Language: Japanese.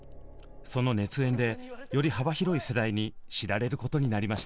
その熱演でより幅広い世代に知られることになりました。